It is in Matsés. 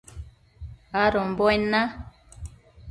adombuen na